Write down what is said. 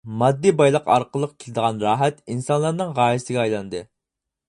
ماددىي بايلىق ئارقىلىق كېلىدىغان راھەت ئىنسانلارنىڭ غايىسىگە ئايلاندى.